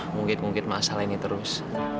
mungkit mungkit masalah ini terus